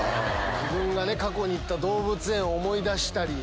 自分が過去に行った動物園を思い出したり。